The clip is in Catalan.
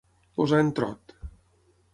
Posar en trot.